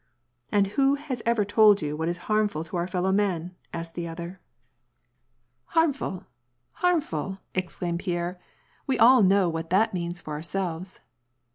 " And who has ever told you what is harmful for our fel low men ?" asked the other. WAR AND PEACE. Ill " Harmful ! harmful !" exclaimed Pierre, " we all know what that means for ourselves."